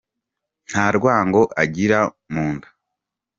Nta rwango agira mu nda.